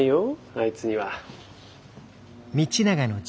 あいつには。